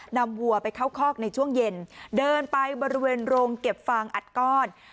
วัวไปเข้าคอกในช่วงเย็นเดินไปบริเวณโรงเก็บฟางอัดก้อน